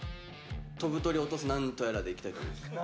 飛ぶ鳥落とすなんとやらでいきたいと思います。